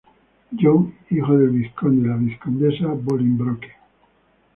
John, hijo del Vizconde y la Vizcondesa Bolingbroke.